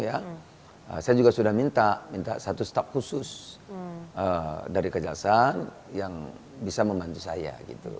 saya juga sudah minta satu staff khusus dari kejaksaan yang bisa membantu saya